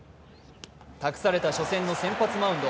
託された初戦の先発マウンド。